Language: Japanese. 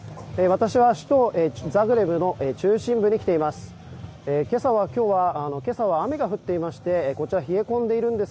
私は首都ザグレブの中心部に来ています。